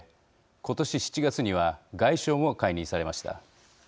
今年７月には外相も解任されました。